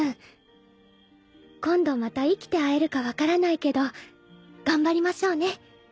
今度また生きて会えるか分からないけど頑張りましょうね。